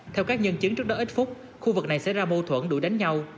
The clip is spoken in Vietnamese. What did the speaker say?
theo các nhân chứng trước đó ít phút khu vực này xảy ra mâu thuẫn đuổi đánh nhau